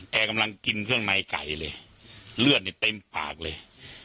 แกกำลังกินเครื่องมากใกเลือดเนี่ยเต็มผากเลย